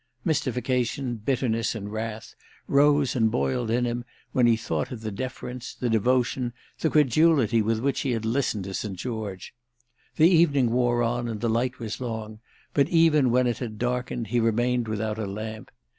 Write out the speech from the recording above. Mystification bitterness and wrath rose and boiled in him when he thought of the deference, the devotion, the credulity with which he had listened to St. George. The evening wore on and the light was long; but even when it had darkened he remained without a lamp.